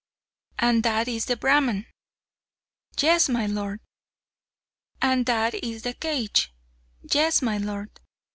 "And that is the Brahman " "Yes, my lord!" "And that is the cage " "Yes, my lord!"